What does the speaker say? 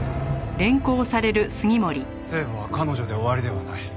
聖母は彼女で終わりではない。